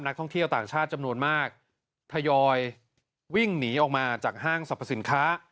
ท่องเที่ยวต่างชาติจำนวนมากทยอยวิ่งหนีออกมาจากห้างสรรพสินค้า